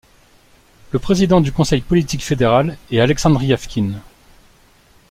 Le président du Conseil politique fédéral est Alexandre Ryavkine.